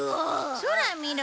そらみろ。